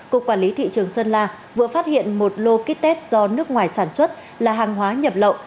cục quản lý thị trường sơn la vừa phát hiện một lô ký test do nước ngoài sản xuất là hàng hóa nhập lậu